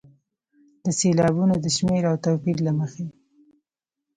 د سېلابونو د شمېر او توپیر له مخې.